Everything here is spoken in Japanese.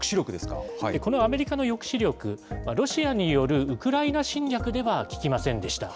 このアメリカの抑止力、ロシアによるウクライナ侵略では効きませんでした。